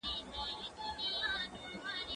زه به سبا د کتابتون کار کوم،